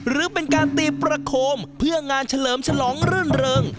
หรือเป็นการตีประโคมเพื่องานเฉลิมฉลองรื่นเริง